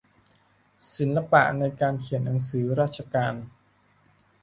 ศิลปะในการเขียนหนังสือราชการ